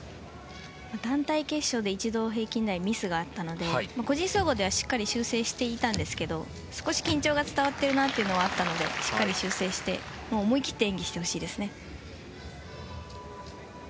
団体決勝で一度、ミスがあったので個人総合ではしっかり修正していたんですが少し緊張が伝わってるなというのはあったのでしっかり修正して、思い切って演技してほしいですね。